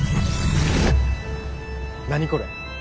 何これ？